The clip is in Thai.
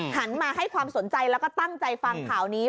หันมาให้ความสนใจแล้วก็ตั้งใจฟังข่าวนี้